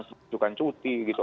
mencubukan cuti gitu